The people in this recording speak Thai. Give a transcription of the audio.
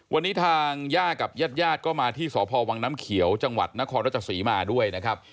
วันนี้ทางย่ากับญาติย่าดก็มาที่สพวังน้ำเขียวจนครรจสุริมาด้วยนะครับ